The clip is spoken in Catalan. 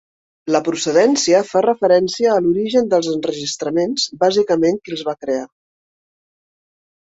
La procedència fa referència a l'origen dels enregistraments, bàsicament qui els va crear.